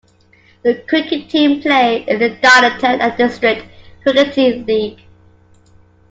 The cricket team play in the Darlington and District Crickety League.